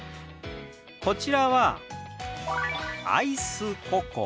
こちらは「アイスココア」。